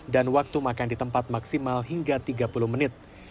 dan waktu makan di tempat maksimal hingga tiga puluh menit